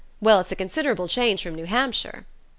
Well, it's a considerable change from New Hampshire."